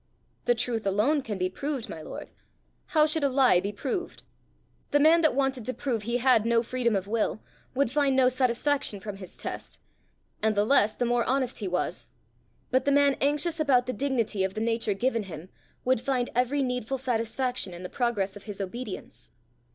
"The truth alone can be proved, my lord; how should a lie be proved? The man that wanted to prove he had no freedom of will, would find no satisfaction from his test and the less the more honest he was; but the man anxious about the dignity of the nature given him, would find every needful satisfaction in the progress of his obedience."